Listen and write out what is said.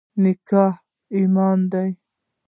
نکاح نیم ایمان دی.